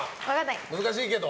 難しいけど。